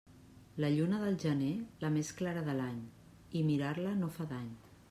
La lluna del gener, la més clara de l'any, i mirar-la no fa dany.